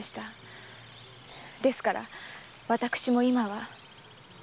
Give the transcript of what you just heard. ですから私も今は。